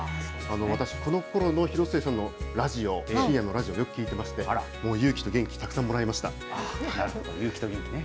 私、このころの広末さんのラジオ、深夜のラジオ、よく聞いてまして、勇気と元気、たくさんもらいまし勇気と元気ね。